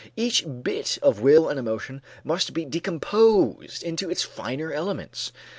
Each bit of will and emotion must be decomposed into its finest elements.